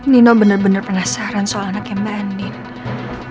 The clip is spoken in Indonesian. nino benar benar penasaran soal anak yang mbak nino